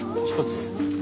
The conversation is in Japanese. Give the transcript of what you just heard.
１つ。